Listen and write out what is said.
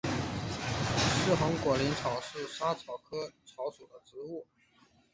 似横果薹草是莎草科薹草属的植物。